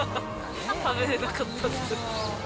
食べれなかったです。